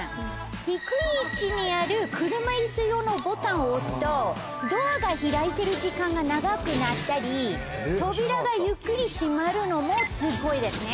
低い位置にある。を押すとドアが開いてる時間が長くなったり扉がゆっくり閉まるのもすごいですね。